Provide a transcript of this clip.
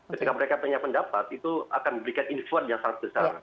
ketika mereka punya pendapat itu akan memberikan influence yang sangat besar